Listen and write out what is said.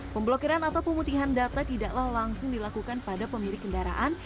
pemblokiran atau pemutihan data tidaklah langsung dilakukan pada pemilik kendaraan